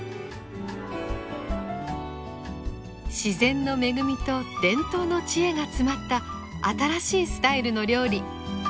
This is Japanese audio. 自然の恵みと伝統の知恵が詰まった新しいスタイルの料理。